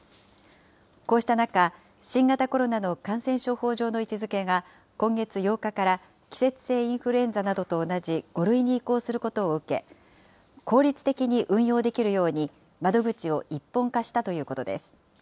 こうした中、新型コロナの感染症法上の位置づけが、今月８日から季節性インフルエンザなどと同じ５類に移行することを受け、効率的に運用できるように窓口を一本化したということです。